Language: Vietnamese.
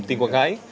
tỉnh quảng ngãi